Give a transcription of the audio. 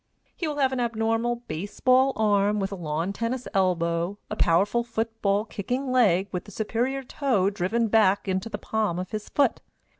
He will have an abnormal base ball arm with a lawn tennis elbow, a powerful foot ball kicking leg with the superior toe driven back into the palm of his foot.